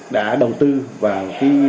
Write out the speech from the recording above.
đã đầu tư vào